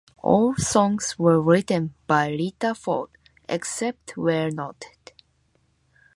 All songs were written by Lita Ford, except where noted.